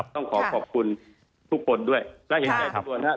ต้องขอบขอบคุณทุกคนด้วยและเห็นชัยกพบรรณฯครับ